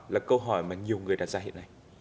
là câu hỏi mà nhiều người đặt ra hiện nay